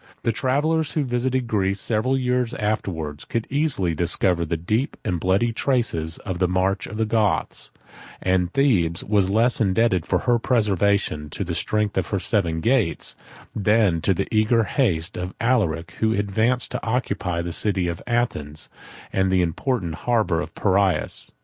The travellers, who visited Greece several years afterwards, could easily discover the deep and bloody traces of the march of the Goths; and Thebes was less indebted for her preservation to the strength of her seven gates, than to the eager haste of Alaric, who advanced to occupy the city of Athens, and the important harbor of the Piraeus.